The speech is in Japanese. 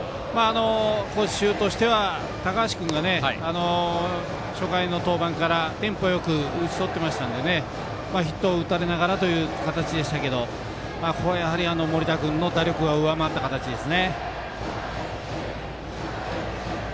高知中央としては高橋君が初回の登板からテンポよく打ち取ってましたのでヒットを打たれながらという形でしたけどここは森田君の打力が上回った形ですね。